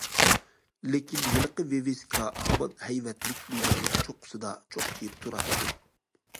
لېكىن ھېلىقى ۋىۋىسكا ھامان ھەيۋەتلىك بىنانىڭ چوققىسىدا چوقچىيىپ تۇراتتى.